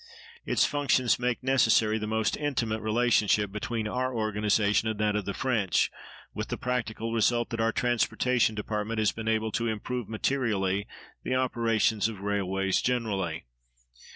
Its functions make necessary the most intimate relationship between our organization and that of the French, with the practical result that our transportation department has been able to improve materially the operations of railways generally.